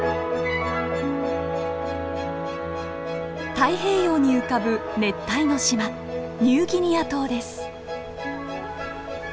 太平洋に浮かぶ熱帯の島ニューギニア島です。